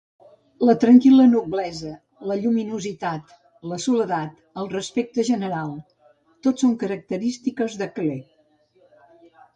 La tranquil·la noblesa, la lluminositat, la soledat, el respecte general: tot són característiques de Klee.